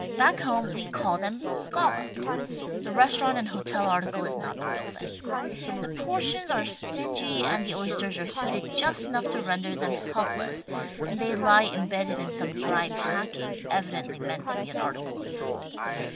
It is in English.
Back home we call them "scolloped." The restaurant and hotel article is not the real thing. The portions are stingy and the oysters are heated just enough to render vthem helpless and they lie embedded in some dry packing, evidently meant to be an article of food.